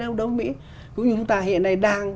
ở đông mỹ ví dụ như chúng ta hiện nay đang